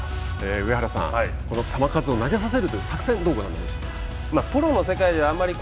上原さん、この球数を投げさせるという作戦どうご覧になりましたか。